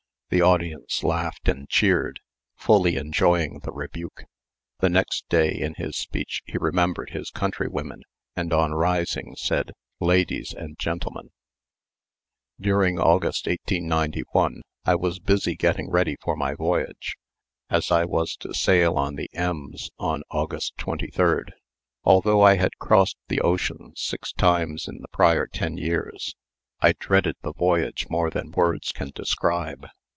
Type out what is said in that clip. The audience laughed and cheered, fully enjoying the rebuke. The next day in his speech he remembered his countrywomen, and on rising said, "Ladies and gentlemen." During August, 1891, I was busy getting ready for my voyage, as I was to sail on the Ems on August 23. Although I had crossed the ocean six times in the prior ten years I dreaded the voyage more than words can describe.